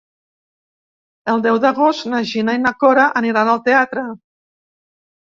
El deu d'agost na Gina i na Cora aniran al teatre.